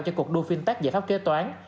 cho cuộc đua fintech giải pháp kế toán